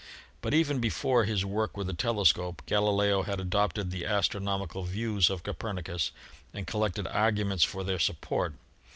But even before his work with the telescope Galileo had adopted the astronomical views of Copernicus and collected arguments for their support.